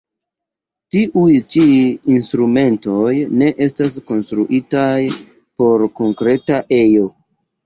Tiuj ĉi instrumentoj ne estas konstruitaj por konkreta ejo.